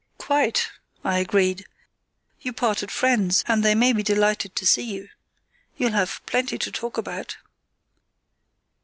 "Quite," I agreed; "you parted friends, and they may be delighted to see you. You'll have plenty to talk about."